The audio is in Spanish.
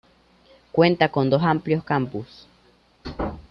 Cuenta con dos amplios campus.